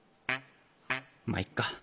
まっいっか。